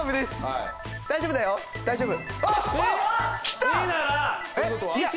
大丈夫だよ大丈夫。